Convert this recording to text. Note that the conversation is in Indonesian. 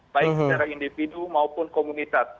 baik secara individu maupun komunitas